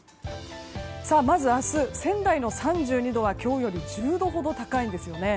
まず明日、仙台の３２度は今日より１０度ほど高いですね。